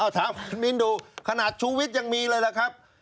ถามคุณมิ้นดูขนาดชูวิทย์ยังมีเลยล่ะครับ